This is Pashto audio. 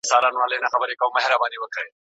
د احمدشاه له جګو غرونو سره لوبي کوي